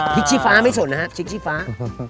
ชิคชี้ฟ้าไม่สวนนะชิคชี้ฟ้า